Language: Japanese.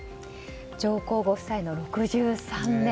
上皇ご夫妻の６３年。